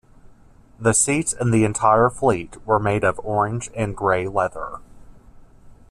The seats in the entire fleet were made of orange and grey leather.